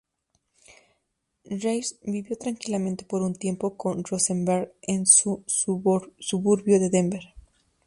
Reece vivió tranquilamente por un tiempo con Rosenberg en su suburbio de Denver.